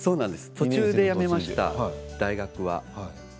途中でやめました大学は。